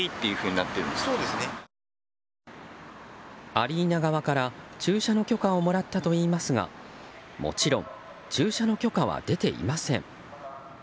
アリーナ側から駐車の許可をもらったといいますがもちろん駐車の許可は出ていません。